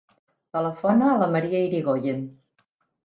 Telefona a la Maria Irigoyen.